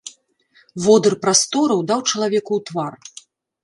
Водыр прастораў даў чалавеку ў твар.